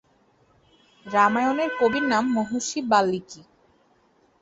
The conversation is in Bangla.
রামায়ণের কবির নাম মহর্ষি বাল্মীকি।